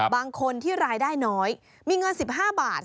บางคนที่รายได้น้อยมีเงิน๑๕บาท